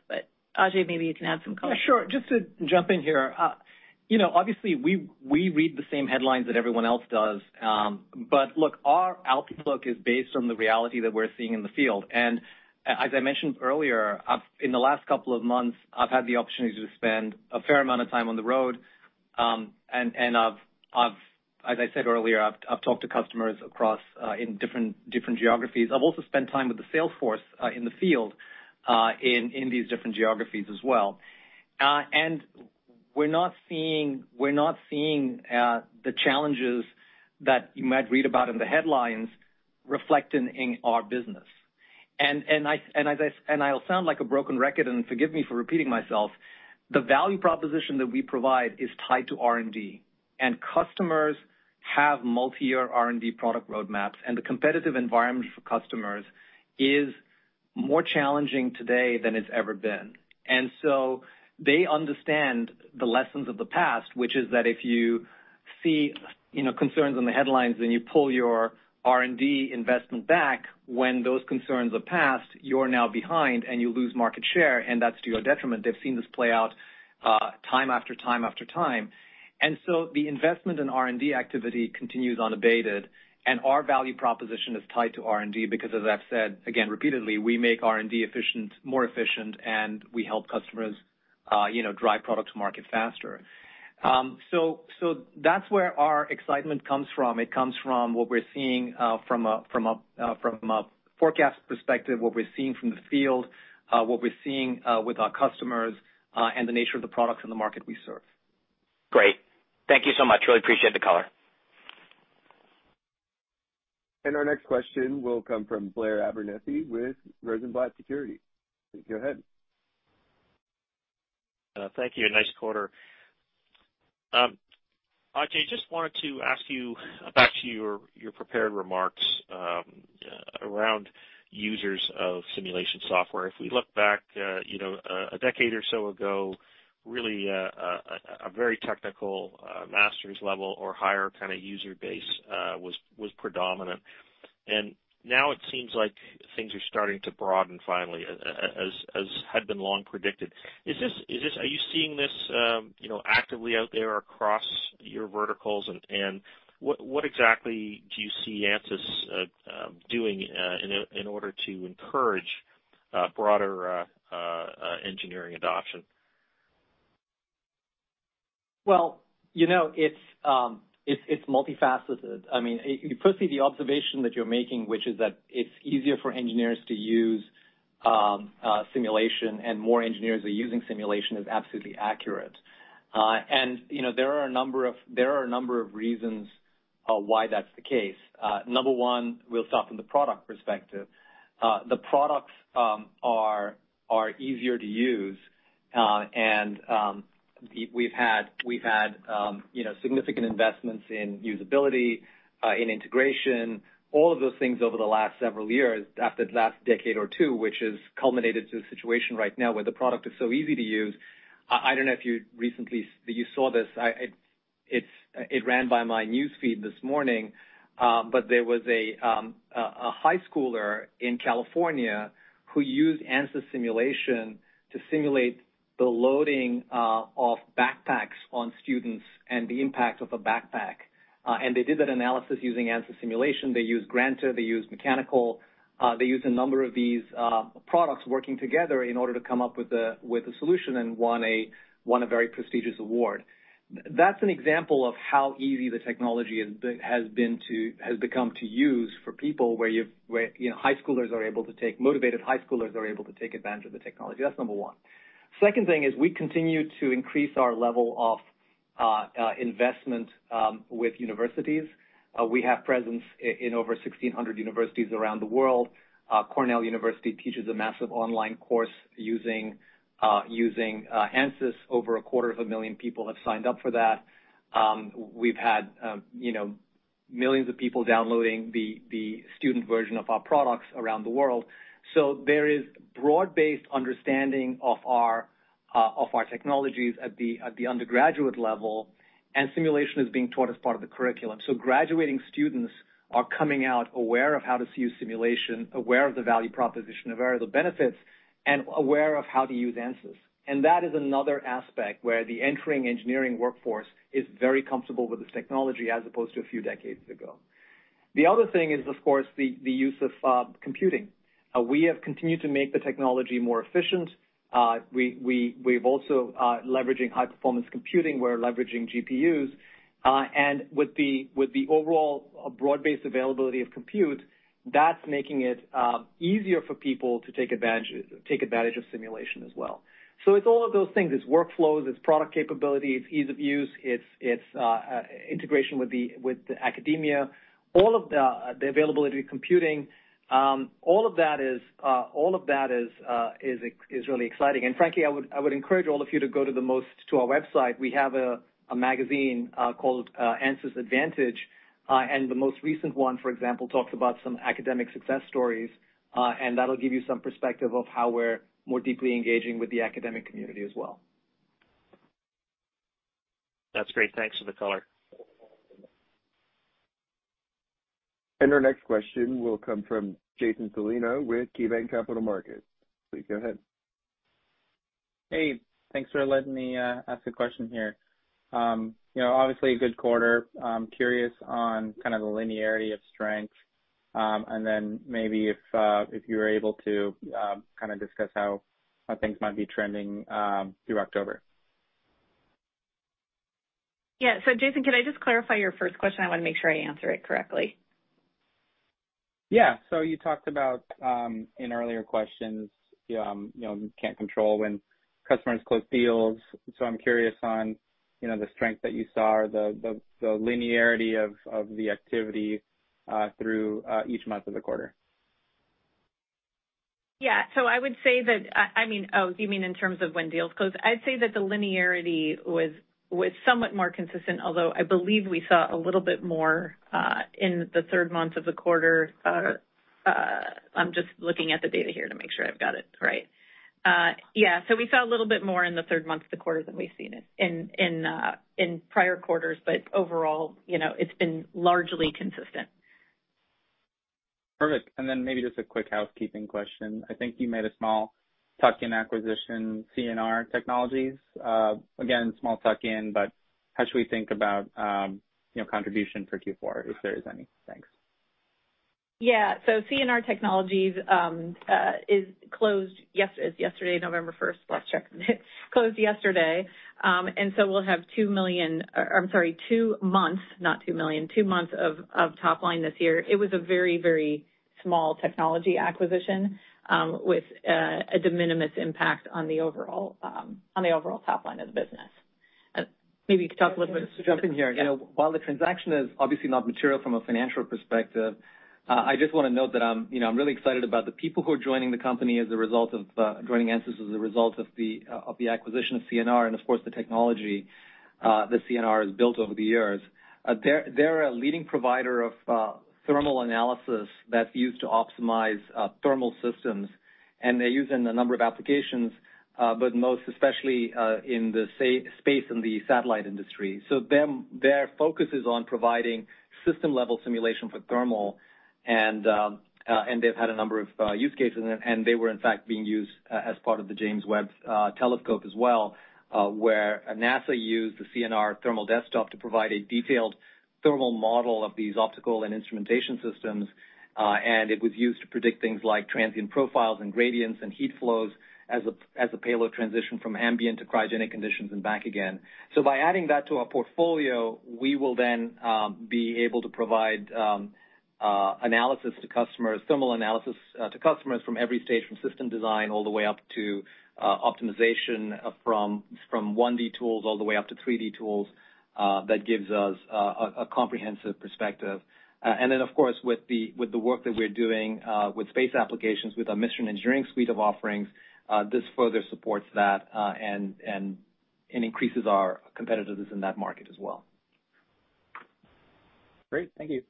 Ajei, maybe you can add some color. Yeah, sure. Just to jump in here, you know, obviously, we read the same headlines that everyone else does. Look, our outlook is based on the reality that we're seeing in the field. As I mentioned earlier, I've had the opportunity to spend a fair amount of time on the road, and I've talked to customers across in different geographies. I've also spent time with the sales force in the field in these different geographies as well. We're not seeing the challenges that you might read about in the headlines reflecting in our business. I'll sound like a broken record, and forgive me for repeating myself. The value proposition that we provide is tied to R&D, and customers have multi-year R&D product roadmaps, and the competitive environment for customers is more challenging today than it's ever been. They understand the lessons of the past, which is that if you see, you know, concerns on the headlines, and you pull your R&D investment back when those concerns have passed, you're now behind and you lose market share, and that's to your detriment. They've seen this play out time after time after time. The investment in R&D activity continues unabated. Our value proposition is tied to R&D because as I've said, again repeatedly, we make R&D efficient, more efficient, and we help customers, you know, drive products to market faster. That's where our excitement comes from. It comes from what we're seeing from a forecast perspective, what we're seeing from the field, what we're seeing with our customers, and the nature of the products in the market we serve. Great. Thank you so much. Really appreciate the color. Our next question will come from Blair Abernethy with Rosenblatt Securities. Please go ahead. Thank you. Nice quarter. Ajei, just wanted to ask you about your prepared remarks around users of simulation software. If we look back, you know, a decade or so ago, really, a very technical master's level or higher kind of user base was predominant. Now it seems like things are starting to broaden finally, as had been long predicted. Is this, are you seeing this, you know, actively out there across your verticals? What exactly do you see Ansys doing in order to encourage broader engineering adoption? Well, you know, it's multifaceted. I mean, firstly, the observation that you're making, which is that it's easier for engineers to use simulation and more engineers are using simulation, is absolutely accurate. You know, there are a number of reasons why that's the case. Number one, we'll start from the product perspective. The products are easier to use, and we've had, you know, significant investments in usability in integration, all of those things over the last several years, after the last decade or two, which has culminated to the situation right now where the product is so easy to use. I don't know if you recently saw this. It ran by my news feed this morning, but there was a high schooler in California who used Ansys simulation to simulate the loading of backpacks on students and the impact of a backpack. They did that analysis using Ansys simulation. They used Granta, they used Mechanical, they used a number of these products working together in order to come up with a solution and won a very prestigious award. That's an example of how easy the technology has become to use for people, you know, motivated high schoolers are able to take advantage of the technology. That's number one. Second thing is we continue to increase our level of investment with universities. We have presence in over 1,600 universities around the world. Cornell University teaches a massive online course using Ansys. Over a quarter of a million people have signed up for that. We've had, you know, millions of people downloading the student version of our products around the world. There is broad-based understanding of our technologies at the undergraduate level, and simulation is being taught as part of the curriculum. Graduating students are coming out aware of how to use simulation, aware of the value proposition, aware of the benefits, and aware of how to use Ansys. That is another aspect where the entering engineering workforce is very comfortable with this technology as opposed to a few decades ago. The other thing is, of course, the use of computing. We have continued to make the technology more efficient. We're also leveraging high-performance computing. We're leveraging GPUs. With the overall broad-based availability of compute, that's making it easier for people to take advantage of simulation as well. It's all of those things. It's workflows, it's product capability, it's ease of use, it's integration with the academia. The availability of computing, all of that is really exciting. Frankly, I would encourage all of you to go to our website. We have a magazine called Ansys Advantage. The most recent one, for example, talks about some academic success stories, and that'll give you some perspective of how we're more deeply engaging with the academic community as well. That's great. Thanks for the color. Our next question will come from Jason Celino with KeyBanc Capital Markets. Please go ahead. Hey, thanks for letting me ask a question here. You know, obviously a good quarter. I'm curious on kind of the linearity of strength. Maybe if you're able to kind of discuss how things might be trending through October. Yeah. Jason, can I just clarify your first question? I want to make sure I answer it correctly. Yeah. You talked about in earlier questions, you know, you can't control when customers close deals. I'm curious on, you know, the strength that you saw or the linearity of the activity through each month of the quarter. Yeah. I would say that, I mean. Oh, you mean in terms of when deals close? I'd say that the linearity was somewhat more consistent, although I believe we saw a little bit more in the third month of the quarter. I'm just looking at the data here to make sure I've got it right. Yeah, so we saw a little bit more in the third month of the quarter than we've seen it in prior quarters. Overall, you know, it's been largely consistent. Perfect. Maybe just a quick housekeeping question. I think you made a small tuck-in acquisition, C&R Technologies, again, small tuck-in, but how should we think about, you know, contribution for Q4, if there is any? Thanks. Yeah. C&R Technologies is closed yesterday, November first. Last check. We'll have two months, not two million, two months of top line this year. It was a very small technology acquisition with a de minimis impact on the overall top line of the business. Maybe you could talk a little bit. Just to jump in here. You know, while the transaction is obviously not material from a financial perspective, I just wanna note that I'm really excited about the people who are joining the company as a result of joining Ansys as a result of the acquisition of C&R and of course, the technology that C&R has built over the years. They're a leading provider of thermal analysis that's used to optimize thermal systems, and they're used in a number of applications, but most especially in the space and the satellite industry. Their focus is on providing system-level simulation for thermal. They've had a number of use cases, and they were in fact being used as part of the James Webb Space Telescope as well, where NASA used the C&R Thermal Desktop to provide a detailed thermal model of these optical and instrumentation systems. It was used to predict things like transient profiles and gradients and heat flows as a payload transition from ambient to cryogenic conditions and back again. By adding that to our portfolio, we will then be able to provide analysis to customers, thermal analysis to customers from every stage, from system design all the way up to optimization from 1D tools all the way up to 3D tools. That gives us a comprehensive perspective. Of course, with the work that we're doing with space applications, with our mission engineering suite of offerings, this further supports that and increases our competitiveness in that market as well. Great. Thank you.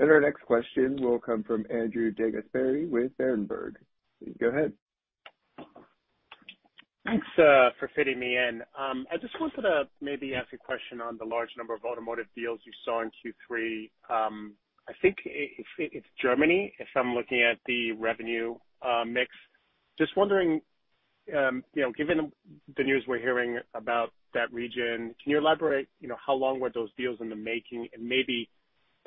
Our next question will come from Andrew DeGasperi with Berenberg. Go ahead. Thanks for fitting me in. I just wanted to maybe ask a question on the large number of automotive deals you saw in Q3. I think it's Germany, if I'm looking at the revenue mix. Just wondering, you know, given the news we're hearing about that region, can you elaborate, you know, how long were those deals in the making? Maybe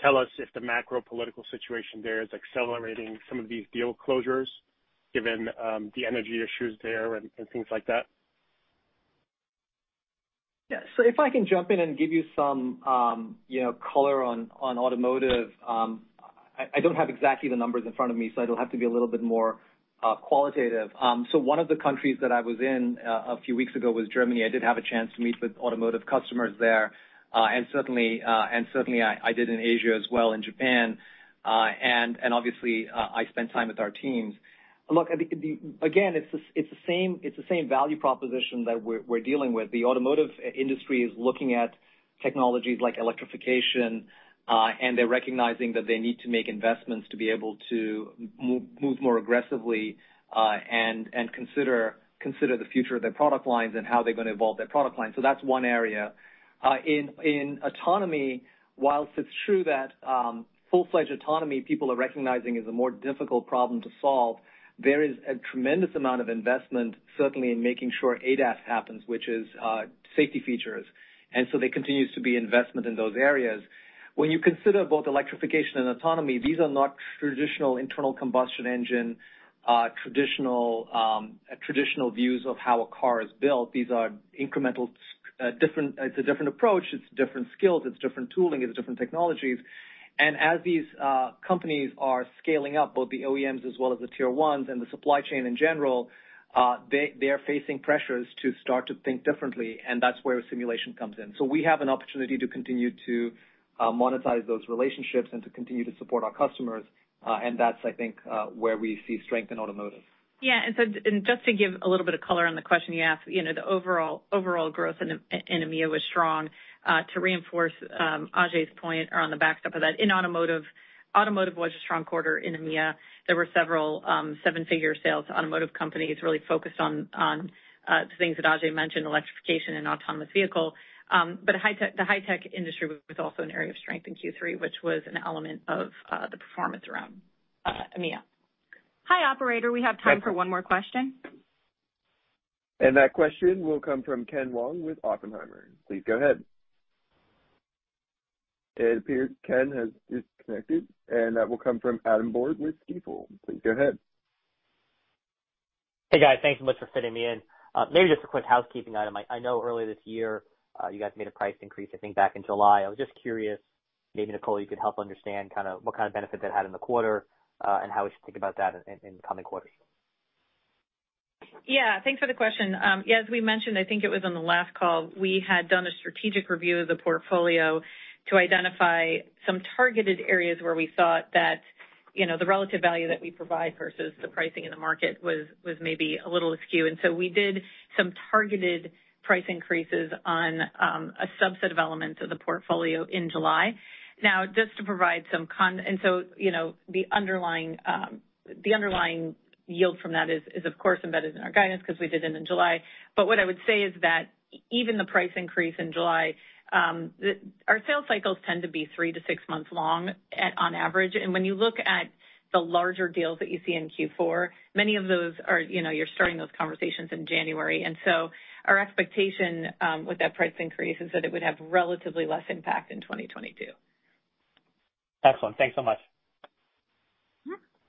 tell us if the macro political situation there is accelerating some of these deal closures given the energy issues there and things like that. Yeah. If I can jump in and give you some color on automotive. I don't have exactly the numbers in front of me, so it'll have to be a little bit more qualitative. One of the countries that I was in a few weeks ago was Germany. I did have a chance to meet with automotive customers there, and certainly I did in Asia as well, in Japan. Obviously I spent time with our teams. Look, again, it's the same value proposition that we're dealing with. The automotive industry is looking at technologies like electrification, and they're recognizing that they need to make investments to be able to move more aggressively, and consider the future of their product lines and how they're gonna evolve their product lines. That's one area. In autonomy, while it's true that full-fledged autonomy, people are recognizing, is a more difficult problem to solve. There is a tremendous amount of investment, certainly in making sure ADAS happens, which is safety features. There continues to be investment in those areas. When you consider both electrification and autonomy, these are not traditional internal combustion engine traditional views of how a car is built. It's a different approach, it's different skills, it's different tooling, it's different technologies. As these companies are scaling up, both the OEMs as well as the tier ones and the supply chain in general, they are facing pressures to start to think differently, and that's where simulation comes in. We have an opportunity to continue to monetize those relationships and to continue to support our customers. That's, I think, where we see strength in automotive. Yeah. Just to give a little bit of color on the question you asked, you know, the overall growth in EMEA was strong. To reinforce Ajei's point or on the back of that, in automotive was a strong quarter in EMEA. There were several seven-figure sales. Automotive companies really focused on the things that Ajei mentioned, electrification and autonomous vehicle. The high-tech industry was also an area of strength in Q3, which was an element of the performance around EMEA. Hi, operator. We have time for one more question. That question will come from Ken Wong with Oppenheimer. Please go ahead. It appears Ken has disconnected, and that will come from Adam Borg with Stifel. Please go ahead. Hey, guys. Thank you so much for fitting me in. Maybe just a quick housekeeping item. I know earlier this year you guys made a price increase, I think, back in July. I was just curious, maybe Nicole, you could help understand what kind of benefit that had in the quarter and how we should think about that in coming quarters. Yeah. Thanks for the question. As we mentioned, I think it was on the last call, we had done a strategic review of the portfolio to identify some targeted areas where we thought that, you know, the relative value that we provide versus the pricing in the market was maybe a little askew. We did some targeted price increases on a subset of elements of the portfolio in July. You know, the underlying yield from that is of course embedded in our guidance because we did it in July. But what I would say is that even the price increase in July, our sales cycles tend to be 3-6 months long on average. When you look at the larger deals that you see in Q4, many of those are, you know, you're starting those conversations in January. Our expectation with that price increase is that it would have relatively less impact in 2022. Excellent. Thanks so much.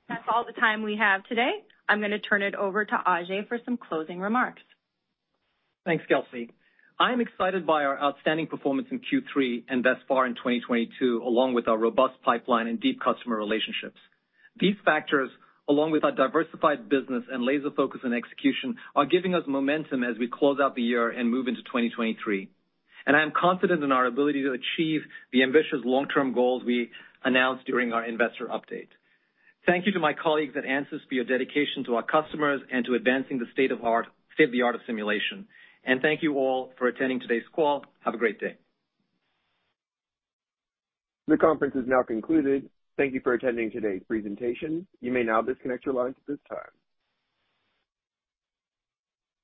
That's all the time we have today. I'm gonna turn it over to Ajei for some closing remarks. Thanks, Kelsey. I am excited by our outstanding performance in Q3 and thus far in 2022, along with our robust pipeline and deep customer relationships. These factors, along with our diversified business and laser focus and execution, are giving us momentum as we close out the year and move into 2023. I am confident in our ability to achieve the ambitious long-term goals we announced during our investor update. Thank you to my colleagues at Ansys for your dedication to our customers and to advancing the state of the art of simulation. Thank you all for attending today's call. Have a great day. The conference is now concluded. Thank you for attending today's presentation. You may now disconnect your lines at this time.